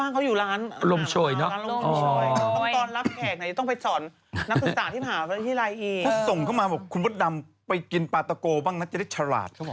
ก็ส่งเข้ามาบอกคุณพุทธดำไปกินปลาตะโกบ้างนะจะได้ฉลาด